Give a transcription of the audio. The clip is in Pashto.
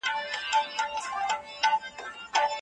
که د ټولنیزو اصولو پلي کېدل ونه منې، نظم نه ټینګېږي.